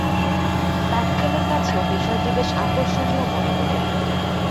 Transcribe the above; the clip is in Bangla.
প্যাসকেলের কাছেও বিষয়টি বেশ আকর্ষণীয় মনে হোল।